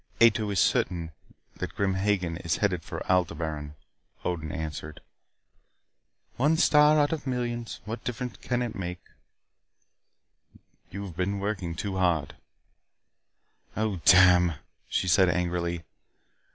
"Ato is certain that Grim Hagen is headed for Aldebaran," Odin answered. "One star out of millions. What difference does it make?" "You have been working too hard " "Oh, damn!" she said angrily.